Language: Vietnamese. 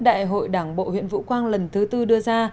đại hội đảng bộ huyện vũ quang lần thứ tư đưa ra